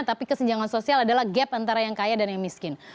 tapi kesenjangan sosial adalah gap antara yang kaya dan yang miskin